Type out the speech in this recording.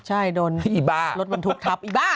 ใช่โดนรถมันถูกทับอีบ้า